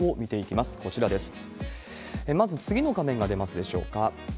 まず、次の画面が出ますでしょうか。